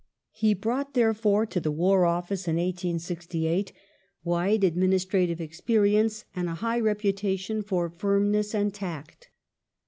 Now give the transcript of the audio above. He brought, therefore, to the War Office in 1868 wide administrative experience and a high reputation for firmness and tact.